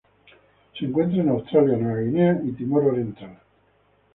Se encuentra en Australia Nueva Guinea y Timor Oriental.